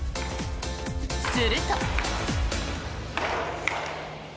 すると。